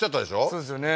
そうですよね